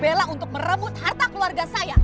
bela untuk merebut harta keluarga saya